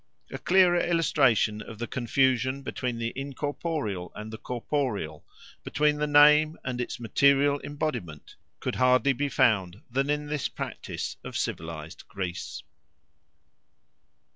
A clearer illustration of the confusion between the incorporeal and the corporeal, between the name and its material embodiment, could hardly be found than in this practice of civilised Greece.